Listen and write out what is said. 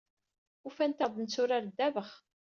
Ufant-aɣ-d netturar dddabax.